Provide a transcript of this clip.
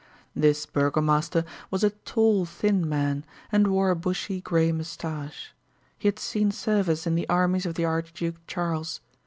This burgomaster was a tall, thin man, and wore a bushy gray mustache. He had seen service in the armies of the Archduke Charles.